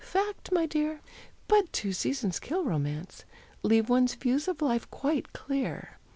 Fact, my dear! But two seasons kill romance, Leave one's views of life quite clear.